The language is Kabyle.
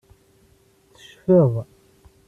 Ttecfeɣ.